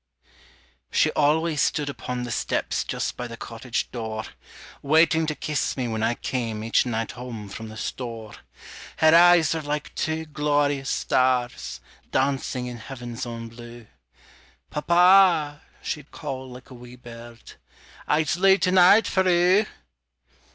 She always stood upon the steps Just by the cottage door, Waiting to kiss me when I came Each night home from the store. Her eyes were like two glorious stars, Dancing in heaven's own blue "Papa," she'd call like a wee bird, "_I's looten out for oo!